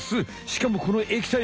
しかもこの液体。